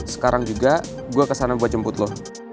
sekarang juga gue kesana buat jemput loh